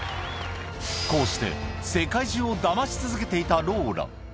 こうして世界中をだまし続けていたローラ。